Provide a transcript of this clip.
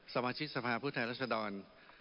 สมาชิกสภาพฤทธิรัชดร